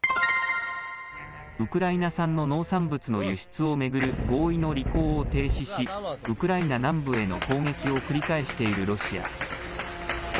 ウクライナ産の農産物の輸出を巡る合意の履行を停止しウクライナ南部への攻撃を繰り返しているロシア。